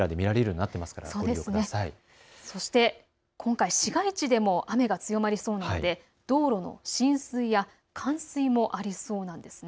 今回、市街地でも雨が強まりそうなので道路の浸水や冠水もありそうなんです。